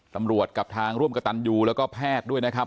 กับทางร่วมกับตันยูแล้วก็แพทย์ด้วยนะครับ